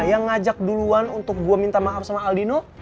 yang ngajak duluan untuk gue minta maaf sama aldino